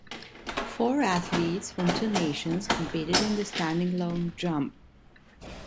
Four athletes from two nations competed in the standing long jump.